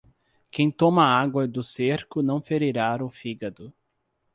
Quem toma a água do cerco não ferirá o fígado.